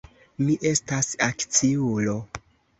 Mi estas akciulo.